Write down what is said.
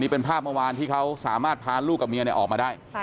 เป็นภาพเมื่อวานที่เขาสามารถพาลูกกับเมียออกมาได้